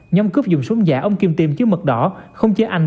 nhóm cướp dùng súng giả ông kim tim chứa mật đỏ không chế anh